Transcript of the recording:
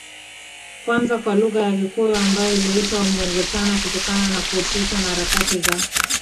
kwanza kwa lugha ya Gikuyu ambalo liliitwa MuiguitaaniKutokana na kuhusishwa na harakati za